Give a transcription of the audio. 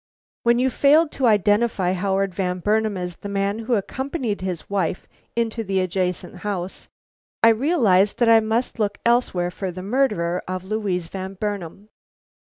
"When you failed to identify Howard Van Burnam as the man who accompanied his wife into the adjacent house, I realized that I must look elsewhere for the murderer of Louise Van Burnam.